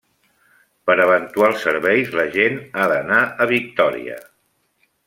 Per eventuals serveis la gent ha d'anar a Victòria.